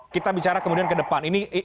kita bicara kemudian ke depan